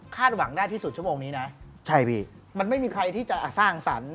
หวังได้ที่สุดชั่วโมงนี้นะใช่พี่มันไม่มีใครที่จะสร้างสรรค์